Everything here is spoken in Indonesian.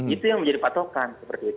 itu yang menjadi patokan